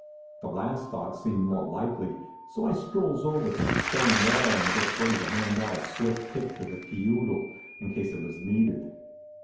The last thought seemed more likely, so I strolls over to the stone wall and gets ready to hand out a swift kick to the kioodle, in case it was needed.